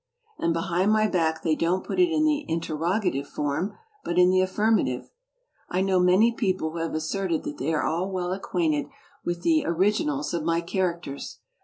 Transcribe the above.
'" And behind my back they don't put it in the interrogative form, but in the affirmative. I know many people who have asserted that they are well acquainted with the "originals" of my characters.